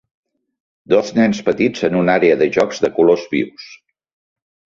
Dos nens petits en una àrea de jocs de colors vius.